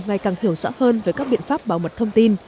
ngày càng hiểu rõ hơn về các biện pháp bảo mật thông tin